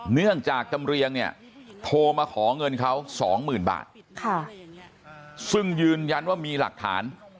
เนื่องจากจำเรียงเนี่ยโทรมาขอเงินเขา๒๐๐๐บาทซึ่งยืนยันว่ามีหลักฐาน